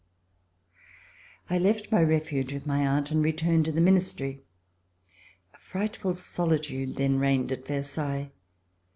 I left my refuge with my aunt and returned to the Ministry. A frightful solitude then reigned at Ver sailles.